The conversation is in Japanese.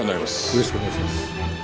よろしくお願いします。